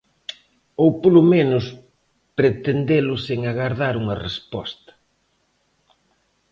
Ou polo menos pretendelo sen agardar unha resposta.